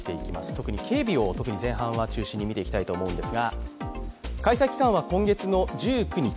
特に警備を前半は中心に見ていきたいと思います。